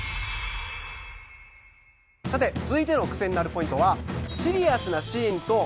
さて続いてのクセになるポイントは。